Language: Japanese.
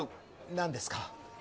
何ですか？